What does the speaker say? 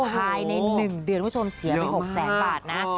ภายใน๑เดือนคุณผู้ชมเสียไป๖แสนบาทนะ